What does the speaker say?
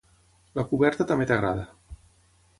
La coberta també t'agrada.